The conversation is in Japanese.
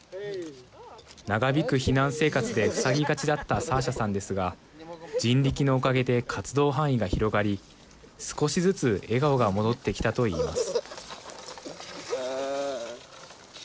長引く避難生活でふさぎがちだったサーシャさんですがＪＩＮＲＩＫＩのおかげで活動範囲が広がり少しずつ笑顔が戻ってきたと言います。